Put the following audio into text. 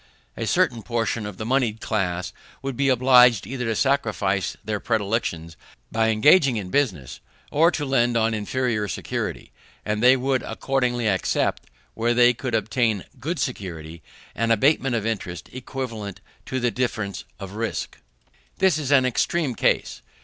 A certain portion of the monied class would be obliged either to sacrifice their predilections by engaging in business, or to lend on inferior security; and they would accordingly accept, where they could obtain good security, an abatement of interest equivalent to the difference of risk. This is an extreme case.